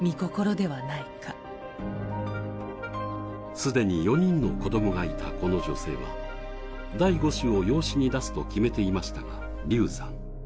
既に４人の子供がいたこの女性は第５子を養子に出すと決めていましたが流産。